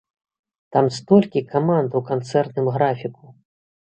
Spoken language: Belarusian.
Там столькі каманд у канцэртным графіку!